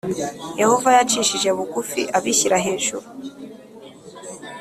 Yehova yacishije bugufi abishyira hejuru